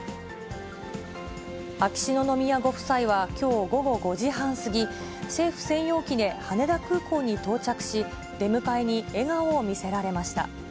秋篠宮ご夫妻はきょう午後５時半過ぎ、政府専用機で羽田空港に到着し、出迎えに笑顔を見せられました。